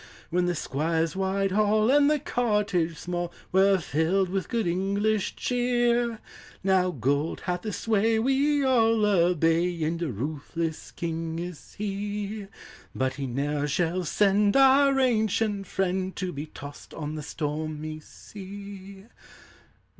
When the squire's wide hall and the cottage small Were filled with good English cheer. Kow gold hath the sway we all obey, And a ruthless king is he; But he never shall send our ancient friend To be tossed on the stormy sea.